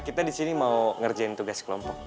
kita di sini mau ngerjain tugas kelompok